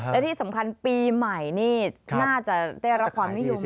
แล้วที่สำคัญปีใหม่นี่น่าจะแต่ละความมี่หโยง